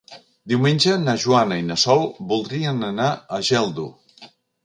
Diumenge na Joana i na Sol voldrien anar a Geldo.